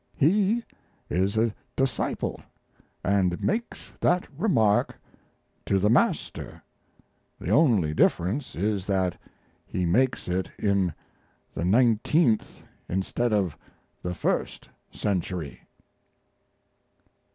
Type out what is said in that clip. He is a disciple, and makes that remark to the Master; the only difference is that he makes it in the nineteenth instead of the first century.